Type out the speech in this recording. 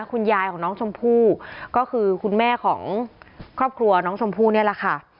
คุณยายของน้องชมพู่ก็คือคุณแม่ของครอบครัวน้องชมพู่นี่แหละค่ะ